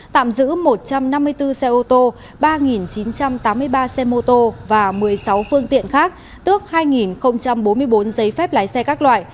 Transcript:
tạm giữ một trăm năm mươi bốn xe ô tô ba chín trăm tám mươi ba xe mô tô và một mươi sáu phương tiện khác tước hai bốn mươi bốn giấy phép lái xe các loại